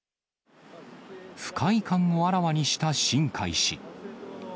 不快感をあらわにした新開氏。